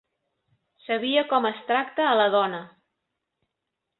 Sabia com es tracta a la dona